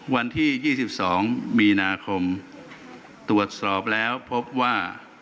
วันที่๒๒มีนาคมตรวจสอบแล้วพบว่า